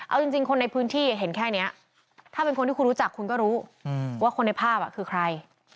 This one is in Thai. เอาจริงคนในพื้นที่เห็นแค่นี้ถ้าเป็นคนที่คุณรู้จักคุณก็รู้ว่าคนในภาพคือใคร